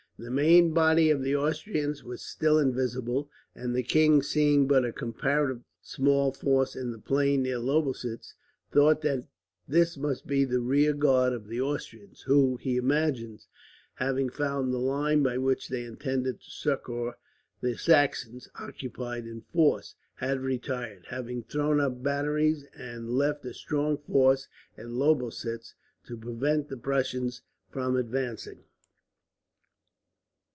The main body of the Austrians was still invisible; and the king, seeing but a comparatively small force in the plain near Lobositz, thought that this must be the rear guard of the Austrians; who, he imagined, having found the line by which they intended to succour the Saxons occupied in force, had retired, having thrown up batteries and left a strong force at Lobositz, to prevent the Prussians from advancing.